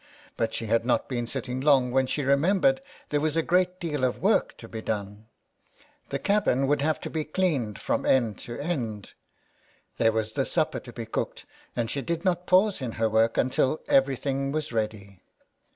But she had not been sitting long when she remembered there was a great deal of work to be done. The cabin would have to be cleaned from end to end, there was the supper to be cooked, and she did not pause in her work until everything was ready.